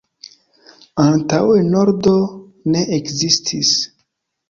Antaŭe nordo ne ekzistis.